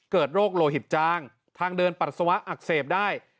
เกิดโรคโลหิตจางทางเดินปัสสาวะอักเสบได้